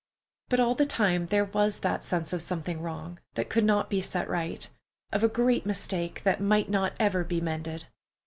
But all the time there was that sense of something wrong, that could not be set right; of a great mistake that might not ever be mended.